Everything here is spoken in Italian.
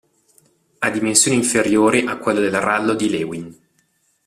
Ha dimensioni inferiori a quelle del rallo di Lewin.